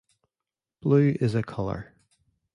Blue is a colour.